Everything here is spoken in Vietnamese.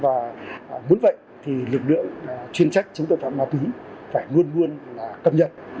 và muốn vậy thì lực lượng chuyên trách chống tội phạm ma túy phải luôn luôn cập nhật